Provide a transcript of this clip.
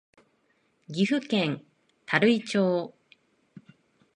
岐阜県垂井町